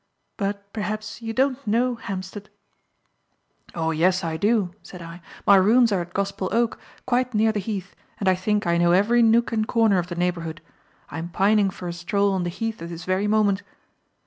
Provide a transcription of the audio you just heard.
But perhaps you don't know Hampstead?" "Oh, yes I do," said I; "my rooms are at Gospel Oak, quite near the Heath, and I think I know every nook and corner of the neighbourhood. I am pining for a stroll on the Heath at this very moment."